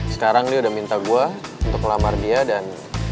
sekarang dia udah minta gue untuk ngelamar dia dan